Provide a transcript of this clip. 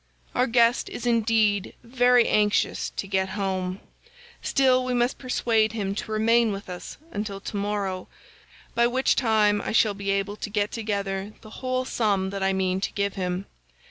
Our guest is indeed very anxious to get home, still we must persuade him to remain with us until to morrow, by which time I shall be able to get together the whole sum that I mean to give him.